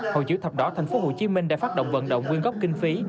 hội chữ thạp đỏ thành phố hồ chí minh đã phát động vận động quyên góp kinh phí